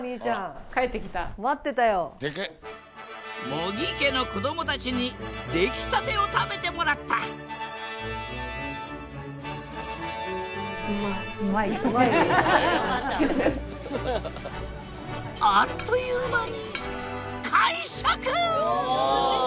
茂木家の子供たちに出来立てを食べてもらったあっという間に完食！